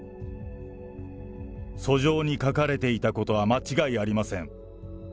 訴状に書かれていたことは間違いありません。